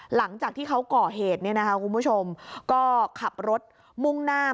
หลังจากที่เขาก่อเหตุเนี่ยนะคะคุณผู้ชมก็ขับรถมุ่งหน้า